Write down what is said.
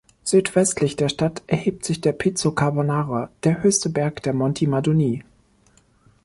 Südwestlich der Stadt erhebt sich der Pizzo Carbonara, der höchste Berg der Monti Madonie.